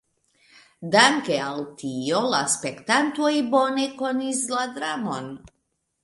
Danke al tio la spektantoj bone konis la dramon.